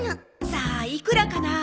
さあいくらかな。